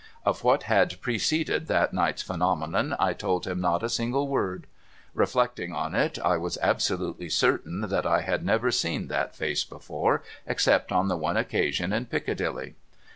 Of what had preceded that night's phenomenon, I told him not a single word. Reflecting on it, I was absolutely certain that I had never seen that face before, except on the one occasion in Piccadilly.